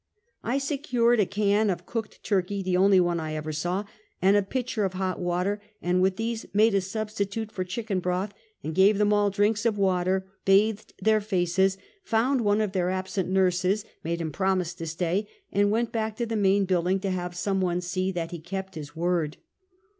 I secured a can of cooked turkey, the only one I ever saw, and a pitcher of hot water, and with these made a substitute for chicken broth; gave them all drinks of water, bathed their faces, found one of their absent nurses, made him promise to stay, and went back to the main building to have some one see that he kept his word.